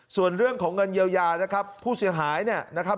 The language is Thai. ส่วนเรื่องของเงินเยียวยานะครับผู้เสียหายเนี่ยนะครับ